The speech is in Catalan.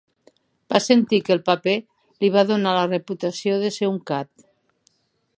Va sentir que el paper li va donar la reputació de ser un CAD.